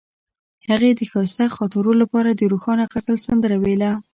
هغې د ښایسته خاطرو لپاره د روښانه غزل سندره ویله.